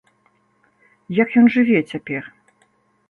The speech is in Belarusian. Як ён жыве цяпер?